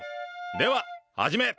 では、はじめ！